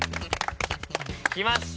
きました。